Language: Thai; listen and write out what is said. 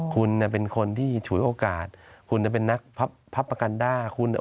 คุณหน่ะเป็นคนที่ฉุยโอกาสคุณจะเป็นนักพัฟกันด้า